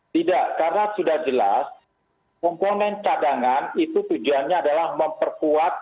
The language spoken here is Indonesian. tidak karena sudah jelas komponen cadangan itu tujuannya adalah memperkuat